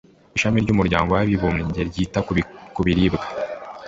Ishami ry'umuryango w'abibumbye ryita ku biribwa